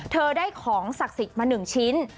เธอได้ของศักดิ์สิทธิ์มา๑ชิ้น